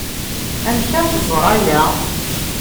Amek ara tẓer aya?